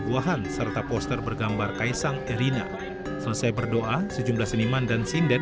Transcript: buahan serta poster bergambar kaisang erina selesai berdoa sejumlah seniman dan sinden